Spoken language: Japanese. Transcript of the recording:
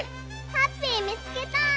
ハッピーみつけた！